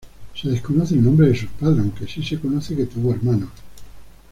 Se desconoce el nombre de sus padres, aunque si se conoce que tuvo hermanos.